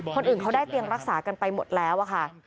คนอื่นเขาได้เตียงรักษากันไปหมดแล้วอะค่ะ